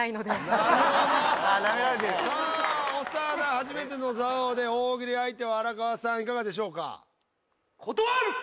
初めての「座王」で大喜利相手は荒川さんいかがでしょうか？